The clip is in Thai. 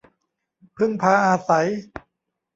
พึ่งพาอาศัย